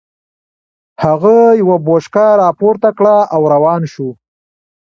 هغه يوه بوشکه را پورته کړه او روان شو.